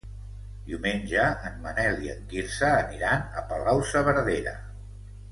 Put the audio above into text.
Diumenge en Manel i en Quirze aniran a Palau-saverdera.